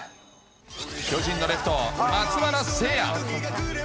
巨人のレフト、松原聖弥。